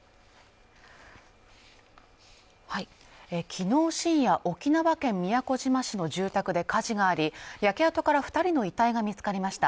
昨日深夜沖縄県宮古島市の住宅で火事があり焼け跡から二人の遺体が見つかりました